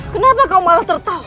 kenapa kau malah tertawa